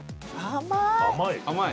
甘い！